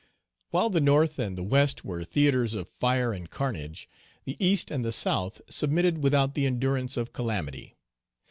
While the North and the West were theatres of fire and carnage, the East and the South submitted without the endurance of calamity.